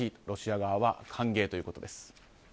ロシア側は歓迎ということです。